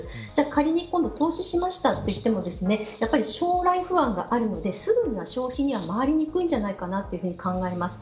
仮に投資しましたといっても将来不安があるのですぐには消費には回りにくいんじゃないかなと考えます。